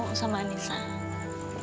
ketemu sama anissa